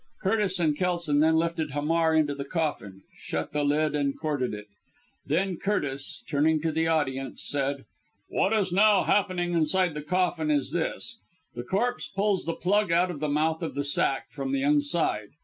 Curtis and Kelson then lifted Hamar into the coffin, shut the lid and corded it. Then Curtis, turning to the audience, said: "What is now happening inside the coffin is this 'the corpse' pulls the plug out of the mouth of the sack from the inside.